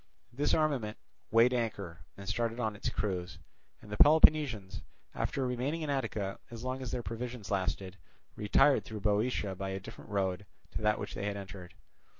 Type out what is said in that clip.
This armament weighed anchor and started on its cruise, and the Peloponnesians, after remaining in Attica as long as their provisions lasted, retired through Boeotia by a different road to that by which they had entered.